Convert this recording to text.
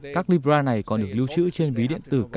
các libra này còn được lưu trữ trên ví điện tử